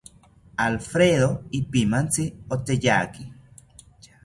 Alfredo ipimantzi oteyaki